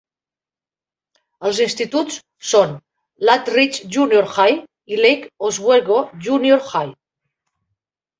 Els instituts són Lakeridge Junior High y Lake Oswego Junior High.